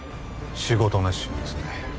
仕事熱心ですね